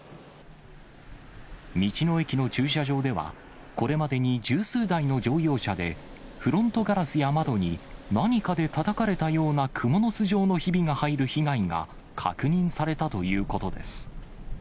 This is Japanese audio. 道の駅の駐車場では、これまでに十数台の乗用車で、フロントガラスや窓に何かでたたかれたようなクモの巣状のひびが入る被害が確認されたということです。